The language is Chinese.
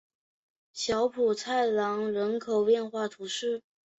小普莱朗人口变化图示